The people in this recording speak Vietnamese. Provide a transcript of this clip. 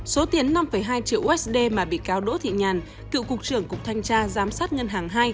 số tiền năm hai triệu usd mà bị cáo đỗ thị nhàn cựu cục trưởng cục thanh tra giám sát ngân hàng hai